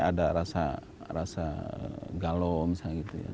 ada rasa galau misalnya gitu ya